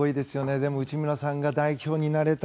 でも内村さんが代表になれた。